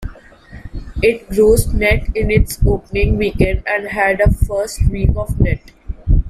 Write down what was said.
It grossed nett in its opening weekend, and had a first week of nett.